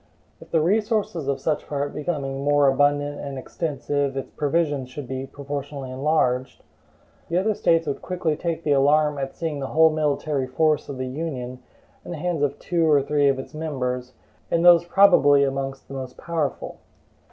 If the resources of such part becoming more abundant and extensive, its provisions should be proportionally enlarged, the other States would quickly take the alarm at seeing the whole military force of the Union in the hands of two or three of its members, and those probably amongst the most powerful.